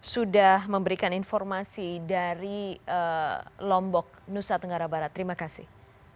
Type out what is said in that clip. sudah memberikan informasi dari lombok nusa tenggara barat terima kasih